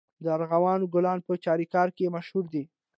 د ارغوان ګل په چاریکار کې مشهور دی.